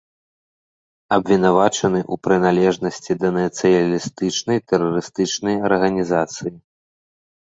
Абвінавачаны ў прыналежнасці да нацыяналістычнай тэрарыстычнай арганізацыі.